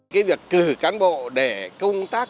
cái việc cử cán bộ để công tác